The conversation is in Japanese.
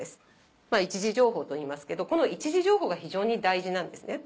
一次情報といいますけどこの一次情報が非常に大事なんですね。